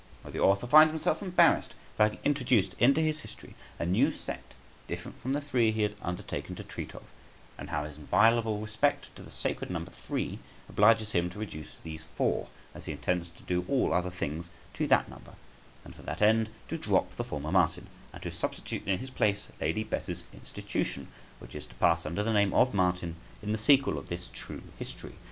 How the author finds himself embarrassed for having introduced into his history a new sect different from the three he had undertaken to treat of; and how his inviolable respect to the sacred number three obliges him to reduce these four, as he intends to do all other things, to that number; and for that end to drop the former Martin and to substitute in his place Lady Bess's institution, which is to pass under the name of Martin in the sequel of this true history.